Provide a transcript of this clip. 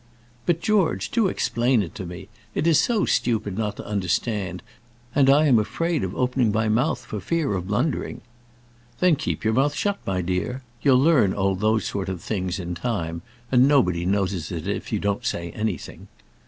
"But, George, do explain it to me. It is so stupid not to understand, and I am afraid of opening my mouth for fear of blundering." "Then keep your mouth shut, my dear. You'll learn all those sort of things in time, and nobody notices it if you don't say anything."